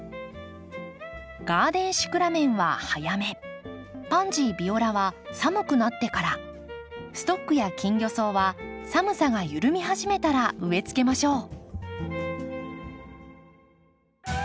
ガーデンシクラメンは早めパンジービオラは寒くなってからストックやキンギョソウは寒さが緩み始めたら植えつけましょう。